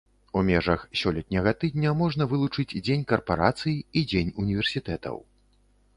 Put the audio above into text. У межах сёлетняга тыдня можна вылучыць дзень карпарацый і дзень універсітэтаў.